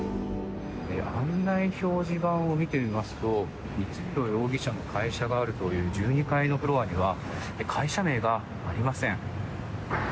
案内表示板を見てみますと光弘容疑者の会社があるという１２階のフロアには会社名がありません。